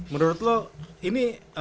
menurut lu ini